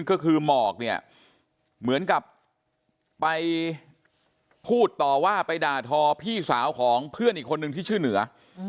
ก็คือหมอกเนี่ยเหมือนกับไปพูดต่อว่าไปด่าทอพี่สาวของเพื่อนอีกคนนึงที่ชื่อเหนือ